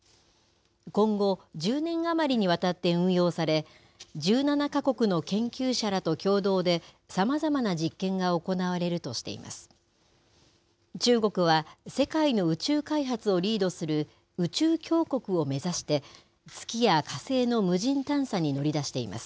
今後、１０年余りにわたって運用され、１７か国の研究者らと共同でさまざまな実験が行われるとしています。